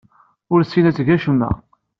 Ur tessin ad teg acemma.